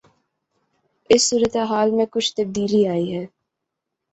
اس صورتحال میں کچھ تبدیلی آنی ہے۔